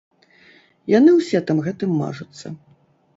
Яны ўсе там гэтым мажуцца.